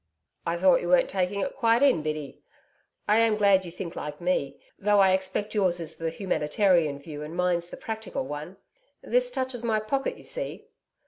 'I thought you weren't taking it quite in, Biddy. I am glad you think like me, though I expect yours is the humanitarian view and mine's the practical one. This touches my pocket, you see.